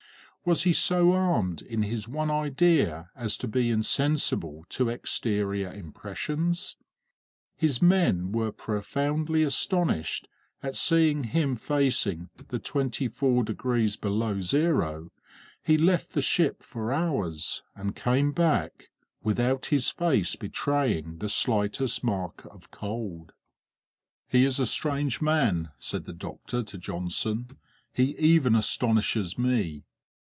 Was he so armed in his one idea as to be insensible to exterior impressions? His men were profoundly astonished at seeing him facing the 24 degrees below zero; he left the ship for hours, and came back without his face betraying the slightest mark of cold. "He is a strange man," said the doctor to Johnson; "he even astonishes me.